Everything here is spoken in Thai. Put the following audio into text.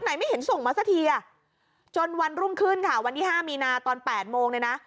ไม่เห็นส่งมาสักทีอ่ะจนวันรุ่งขึ้นค่ะวันที่ห้ามีนาตอน๘โมงเลยนะ